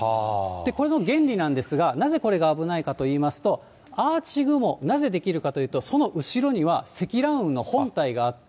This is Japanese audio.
これの原理なんですが、なぜこれが危ないかといいますと、アーチ雲、なぜ出来るかというと、その後ろには積乱雲の本体があって。